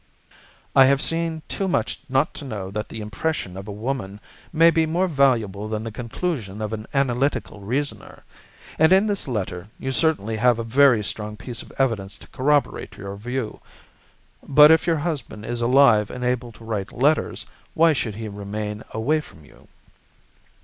"I have seen too much not to know that the impression of a woman may be more valuable than the conclusion of an analytical reasoner. And in this letter you certainly have a very strong piece of evidence to corroborate your view. But if your husband is alive and able to write letters, why should he remain away from you?"